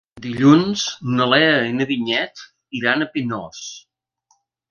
Dilluns na Lea i na Vinyet iran a Pinós.